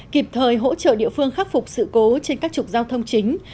kịp thời hỗ trợ địa phương khắc phục sự cố trên các trục giao thông chính